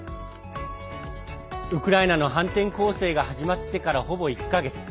ウクライナの反転攻勢が始まってから、ほぼ１か月。